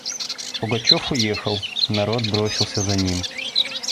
Пугачев уехал; народ бросился за ним.